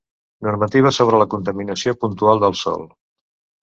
Normativa sobre la contaminació puntual del sòl.